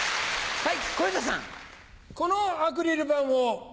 はい！